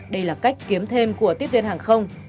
đây là cách kiếm thêm của tiếp viên hàng không